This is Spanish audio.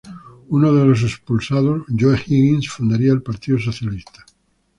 Uno de los expulsados, Joe Higgins, fundaría el Partido Socialista.